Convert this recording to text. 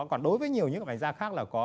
còn đối với nhiều những bài gia khác là có